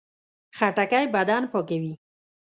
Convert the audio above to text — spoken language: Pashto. خټکی بدن پاکوي.